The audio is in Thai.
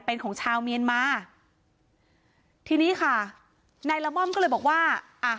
เป็นของชาวเมียนมาทีนี้ค่ะนายละม่อมก็เลยบอกว่าอ่ะ